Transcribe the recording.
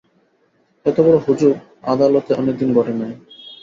এতবড়ো হুজুক আদালতে অনেকদিন ঘটে নাই।